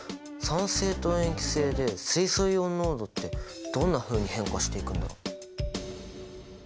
酸性と塩基性で水素イオン濃度ってどんなふうに変化していくんだろ？